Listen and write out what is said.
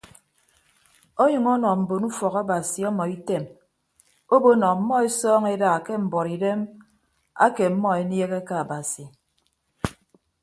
Ọnyʌñ ọnọ mbon ufọk abasi ọmọ item obo nọ ọmmọ esọọñọ eda ke mbuọtidem ake ọmmọ eniehe ke abasi.